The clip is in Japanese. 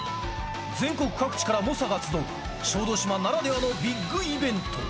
全国各地から猛者が集う小豆島ならではのビッグイベント。